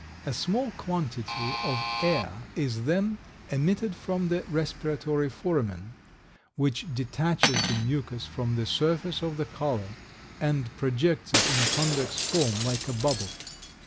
A small quantity of air is then emitted from the respiratory foramen, which detaches the mucus from the surface of the collar, and projects it in a convex form, like a bubble.